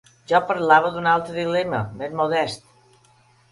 Jo parlava d'un altre dilema més modest.